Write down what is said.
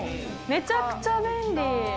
めちゃくちゃ便利。